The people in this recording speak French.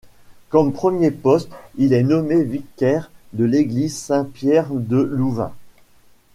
Comme premier poste il est nommé vicaire à l’église Saint-Pierre de Louvain.